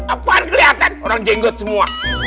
apaan kelihatan orang jenggot semua